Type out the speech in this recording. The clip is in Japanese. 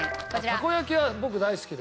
たこ焼きは僕大好きです。